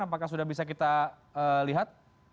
apakah sudah bisa kita lihat